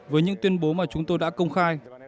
với những tuyên bố mà chúng tôi đã công khai